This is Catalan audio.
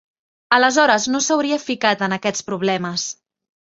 Aleshores no s'hauria ficat en aquests problemes.